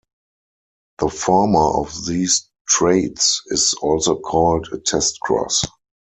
The former of these traits is also called a test cross.